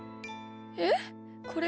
えっこれは？